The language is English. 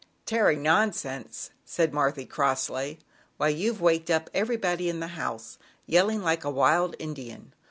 "Terry, nonsense," said Marthy crossly. "Why, you've waked up every body in the house, yelling like a wild Indian.